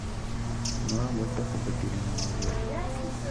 No ha vuelto a competir en un mundial.